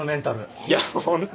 いや本当